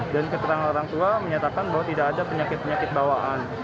dan keterangan orang tua menyatakan bahwa tidak ada penyakit penyakit bawaan